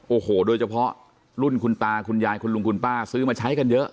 โอ้โหโดยเฉพาะรุ่นคุณตาคุณยายคุณลุงคุณป้าซื้อมาใช้กันเยอะ